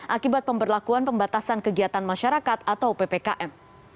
akibat pemberlakuan pembatasan kegiatan masyarakat atau ppkm